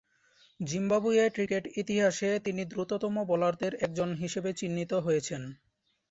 জিম্বাবুয়ের ক্রিকেট ইতিহাসে তিনি দ্রুততম বোলারদের একজন হিসেবে চিহ্নিত হয়েছেন।